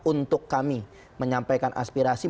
untuk kami menyampaikan aspirasi